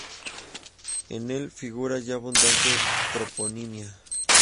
En el figura ya abundante toponimia.